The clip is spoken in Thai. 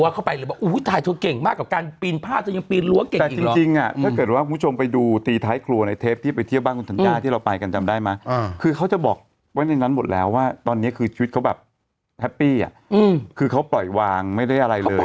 ว่าตอนนี้คือชีวิตเขาแบบแฮปปี้อ่ะอืมคือเขาปล่อยวางไม่ได้อะไรเลย